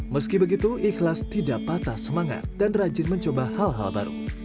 meski begitu ikhlas tidak patah semangat dan rajin mencoba hal hal baru